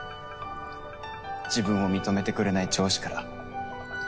自分を認めてくれない上司から。